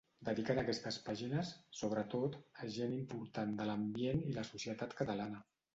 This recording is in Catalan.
Dediquen aquestes pàgines, sobretot, a gent important de l'ambient i la societat catalana.